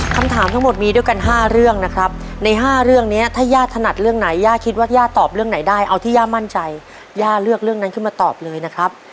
คำถามทั้งหมดมีด้วยกัน๕เรื่องนะครับใน๕เรื่องนี้ถ้าย่าถนัดเรื่องไหนย่าคิดว่าย่าตอบเรื่องไหนได้เอาที่ย่ามั่นใจย่าเลือกเรื่องนั้นขึ้นมาตอบเลยนะครับ